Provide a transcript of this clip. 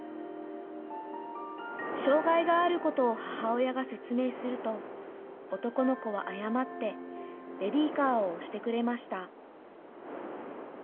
障害があることを母親が説明すると、男の子は謝って、ベビーカーを押してくれました。